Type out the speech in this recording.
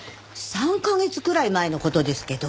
３カ月くらい前の事ですけど。